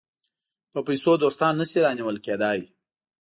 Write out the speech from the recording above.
په پیسو دوستان نه شي رانیول کېدای.